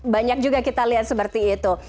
banyak juga kita lihat seperti itu